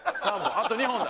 あと２本だ。